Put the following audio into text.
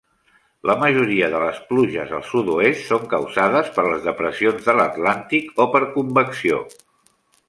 La majoria de les pluges al sud-oest són causades per les depressions de l'Atlàntic o per convecció.